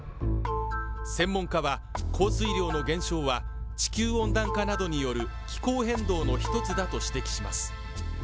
専門家は降水量の減少は地球温暖化などによる気候変動の一つだと指摘します。